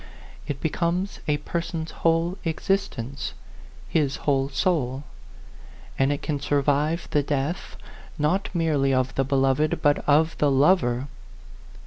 It becomes a person's whole existence, his whole soul ; and it can survive the death, not merely of the beloved, but of the lover.